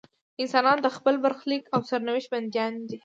انسانان د خپل برخلیک او سرنوشت بندیان نه دي.